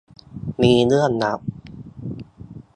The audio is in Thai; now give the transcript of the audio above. มีเรื่องลับ